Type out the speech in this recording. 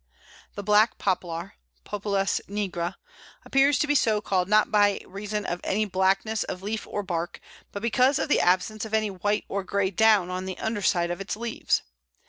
] The Black Poplar (Populus nigra) appears to be so called not by reason of any blackness of leaf or bark, but because of the absence of any white or grey down on the underside of its leaves.